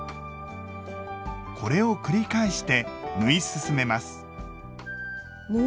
これを繰り返して縫い進めます。